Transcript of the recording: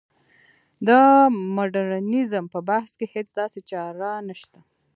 د مډرنیزم په بحث کې هېڅ داسې چاره نشته.